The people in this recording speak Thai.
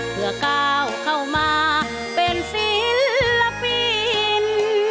เพื่อก้าวเข้ามาเป็นศิลปิน